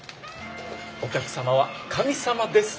お客様は神様です。